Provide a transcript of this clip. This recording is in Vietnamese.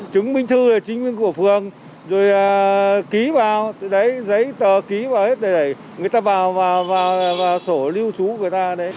chứng minh thư là chính minh của phường rồi ký vào giấy tờ ký vào hết để người ta vào sổ lưu trú của người ta